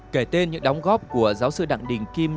kể tên những đóng góp của giáo sư đặng đình kim